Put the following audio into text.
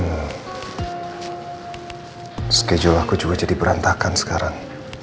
nah schedule aku juga jadi berantakan sekarang